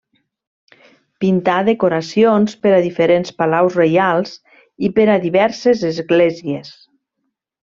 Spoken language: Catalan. Pintà decoracions per a diferents palaus reials i per a diverses esglésies.